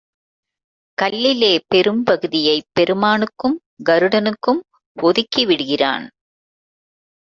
கல்லிலே பெரும் பகுதியைப் பெருமானுக்கும் கருடனுக்கும் ஒதுக்கி விடுகிறான்.